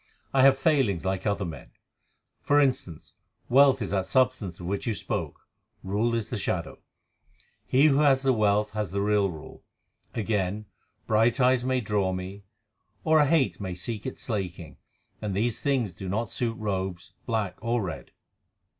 I have failings like other men. For instance, wealth is that substance of which you spoke, rule is the shadow; he who has the wealth has the real rule. Again, bright eyes may draw me, or a hate may seek its slaking, and these things do not suit robes, black or red."